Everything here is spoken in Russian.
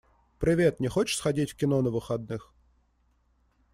Привет, не хочешь сходить в кино на выходных?